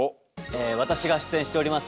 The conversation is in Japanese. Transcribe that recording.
私が出演しております